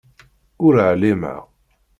Ur εlimeɣ.